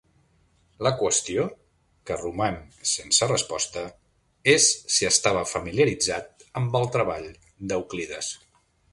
La qüestió, que roman sense resposta és si estava familiaritzat amb el treball d'Euclides.